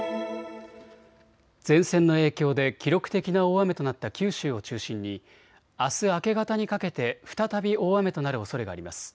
前線の影響で記録的な大雨となった九州を中心にあす明け方にかけて再び大雨となるおそれがあります。